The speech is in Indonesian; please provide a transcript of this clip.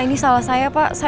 ini salah saya pak